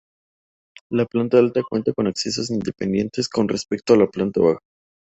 La planta alta cuenta con accesos independientes con respecto a la planta baja.